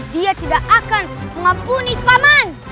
dia tidak akan mengampuni paman